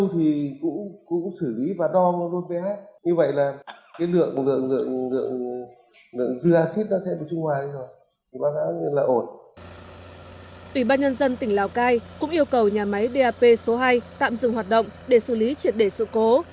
ủy ban nhân dân tỉnh lào cai cũng yêu cầu nhà máy dap số hai tạm dừng hoạt động để xử lý triệt đề sự cố